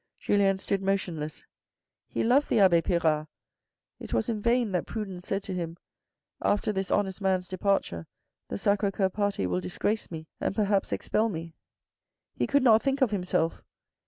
Julien stood motionless. He loved the abbe Pirard. It was in vain that prudence said to him, "After this honest man's departure the Sacre Coeur party will disgrace me and perhaps expel me." He could not think of himself.